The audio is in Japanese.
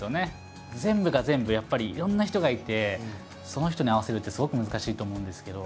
全部が全部やっぱりいろんな人がいてその人に合わせるってすごく難しいと思うんですけど。